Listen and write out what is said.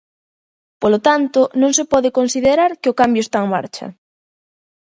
Polo tanto, non se pode considerar que o cambio está en marcha.